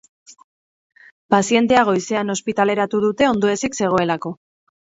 Pazientea goizean ospitaleratu dute ondoezik zegoelako.